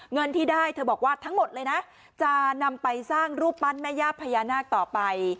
เงินที่ได้เธอบอกว่าทั้งหมดเลยนะจะนำไปสร้างรูปปั้นแม่ย่าพญานาคต่อไป